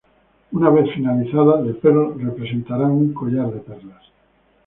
Una vez finalizado The Pearl representará un collar de perlas.